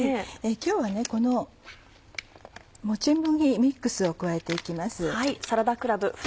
今日はもち麦ミックスを加えて行きます。